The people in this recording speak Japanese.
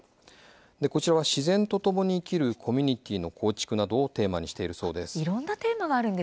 こちらは自然とともに生きるコミュニティーの構築などをテーマにしているそうです。